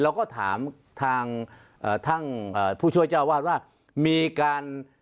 เราก็ถามทางผู้ช่วยเจ้าอาวาสว่า